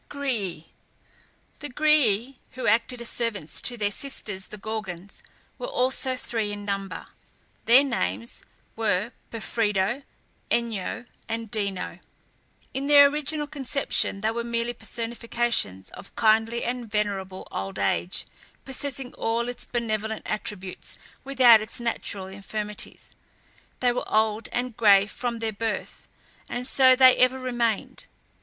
GRÆÆ. The Grææ, who acted as servants to their sisters the Gorgons, were also three in number; their names were Pephredo, Enyo, and Dino. In their original conception they were merely personifications of kindly and venerable old age, possessing all its benevolent attributes without its natural infirmities. They were old and gray from their birth, and so they ever remained.